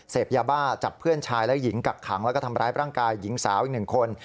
เสพยาบ้าจับเพื่อนชายและหญิงกักขังแล้วก็ทำร้ายร่างกายหญิงสาวอีกหนึ่งคน